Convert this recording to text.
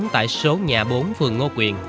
tại số nhà bốn phường ngô quyền